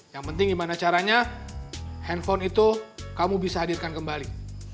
yang penting gimana caranya handphone itu kamu bisa hadirkan kembali